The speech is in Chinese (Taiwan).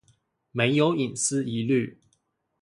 沒有隱私疑慮